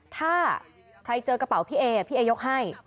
ถ้าใครเจอกระเป๋าพี่เอพี่เอยกให้